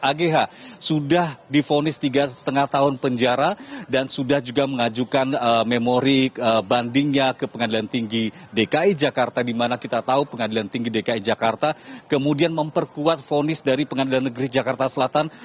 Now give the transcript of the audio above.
agh sudah difonis tiga lima tahun penjara dan sudah juga mengajukan memori bandingnya ke pengadilan tinggi dki jakarta dimana kita tahu pengadilan tinggi dki jakarta kemudian memperkuat vonis dari pengadilan negeri jakarta selatan